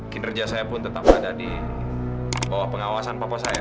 kinerja saya pun tetap ada di bawah pengawasan papua saya